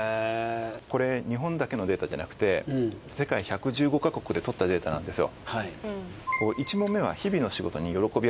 これ日本だけのデータじゃなくて世界１１５ヵ国で取ったデータなんですよ。